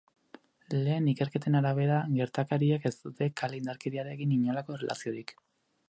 Lehen ikerketen arabera, gertarakariek ez dute kale-indarkeriarekin inolako erlaziorik.